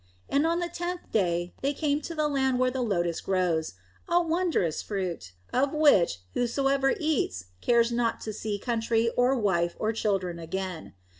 And on the tenth day they came to the land where the lotus grows a wondrous fruit, of which whosoever eats cares not to see country or wife or children again.